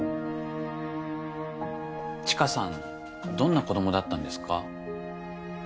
知花さんどんな子供だったんですか？